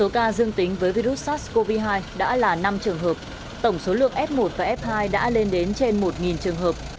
số ca dương tính với virus sars cov hai đã là năm trường hợp tổng số lượng f một và f hai đã lên đến trên một trường hợp